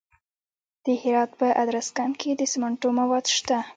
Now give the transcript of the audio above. د هرات په ادرسکن کې د سمنټو مواد شته.